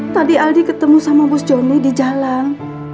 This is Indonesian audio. tadi aldi ketemu sama bus johnny di jalan